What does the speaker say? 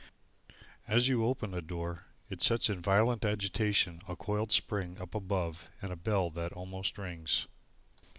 As you open the door, it sets in violent agitation a coiled spring up above and a bell that almost rings.